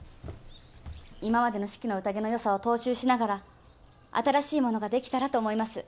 今までの「四季の宴」のよさを踏襲しながら新しいものができたらと思います。